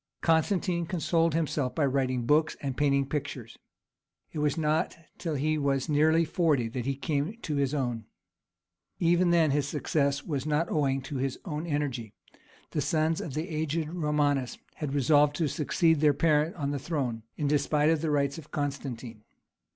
Constantine consoled himself by writing books and painting pictures; it was not till he was nearly forty that he came to his own. Even then his success was not owing to his own energy; the sons of the aged Romanus had resolved to succeed their parent on the throne, in despite of the rights of Constantine.